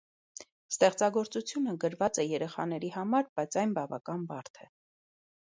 Ստեղծագործությունը գրված է երեխաների համար, բայց այն բավական բարդ է։